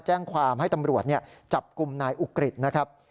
แจ้งความให้ตำรวจจับกลุ่มนายอุกฤษนะครับ